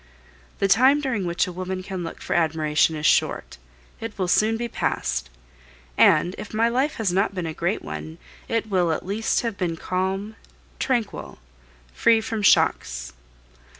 The time during which a woman can look for admiration is short, it will soon be past; and if my life has not been a great one, it will at least have been calm, tranquil, free from shocks.